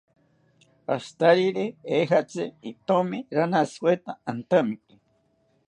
Ashitariri ejatzi itomi ranashiweta antamiki